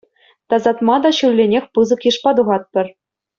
Тасатма та ҫулленех пысӑк йышпа тухатпӑр.